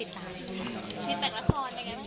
พิมพ์แบบละครยังไงบ้างคะ